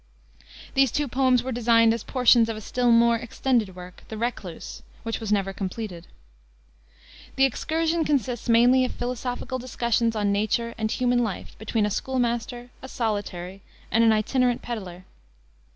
These two poems were designed as portions of a still more extended work, The Recluse, which was never completed. The Excursion consists mainly of philosophical discussions on nature and human life between a school master, a solitary, and an itinerant peddler.